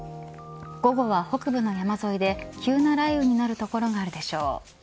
午後は北部の山沿いで急な雷雨になる所があるでしょう。